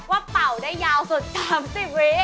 เป่าได้ยาวสุด๓๐วิ